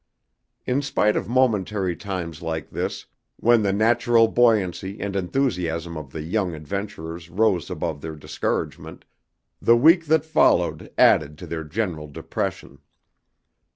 In spite of momentary times like this, when the natural buoyancy and enthusiasm of the young adventurers rose above their discouragement, the week that followed added to their general depression.